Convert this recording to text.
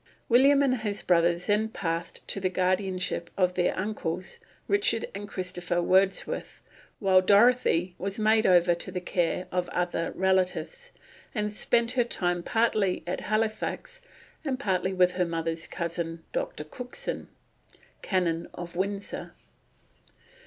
William and his brothers then passed to the guardianship of their uncles, Richard and Christopher Wordsworth, while Dorothy was made over to the care of other relatives, and spent her time partly at Halifax and partly with her mother's cousin, Dr. Cookson, Canon of Windsor.